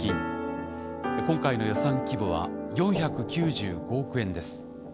今回の予算規模は４９５億円です。